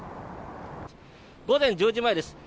午前１０時前です。